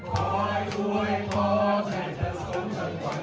ขอให้ด้วยพอให้เธอสมถนฝันได้